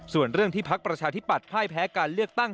ส่วนเรื่องที่พักประชาธิปัตยพ่ายแพ้การเลือกตั้ง